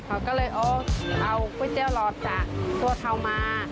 เขาก็เลยโอ้เอากุ้ยเจ้าหลอดจากซั่วเทามา